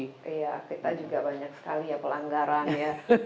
iya kita juga banyak sekali ya pelanggaran ya